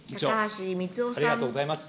ありがとうございます。